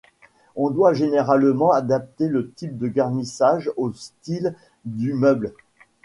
On doit généralement adapter le type de garnissage au style du meuble.